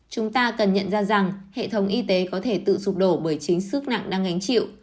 chúng ta cần nhận ra rằng hệ thống y tế có thể tự sụp đổ bởi chính sức nặng đang gánh chịu